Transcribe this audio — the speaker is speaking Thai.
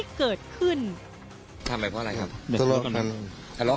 อัศวินธรรมชาติ